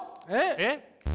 えっ？